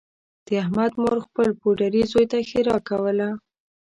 د احمد مور خپل پوډري زوی ته ښېرا کوله